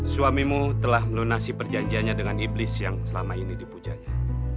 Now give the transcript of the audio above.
suamimu telah melunasi perjanjiannya dengan iblis yang selama ini dipujanya